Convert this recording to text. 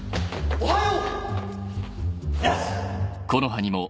おはよう。